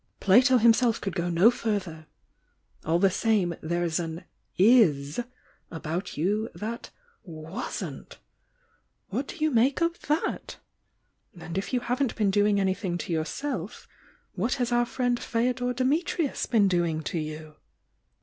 "Plato himself could go no further! All the same, there's an IS about you that WASN'T.! What do you make of t/iot? And if you haven't been doing anything to yourself what has our friend Feodor Dimitrius been doing to you?"